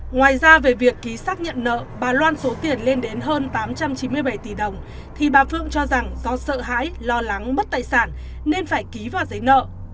ngoài ra về việc ký xác nhận nợ bà loan số tiền lên đến hơn tám trăm chín mươi bảy tỷ đồng thì bà phượng cho rằng do sợ hãi lo lắng mất tài sản nên phải ký vào giấy nợ